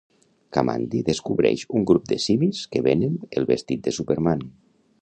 Kamandi descobreix un grup de simis que venen el vestit de Superman